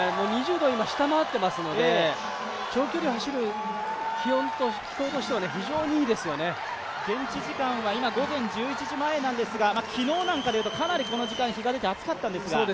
２０度を下回っていますので長距離を走る気温としては現地時間は今、午前１１時前なんですが昨日なんかでいうとこの時間、日が出て暑かったんですが。